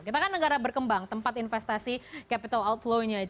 kita kan negara berkembang tempat investasi capital outflow nya